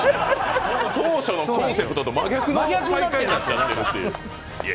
当初のコンセプトと真逆の。